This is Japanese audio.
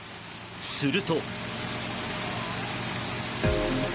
すると。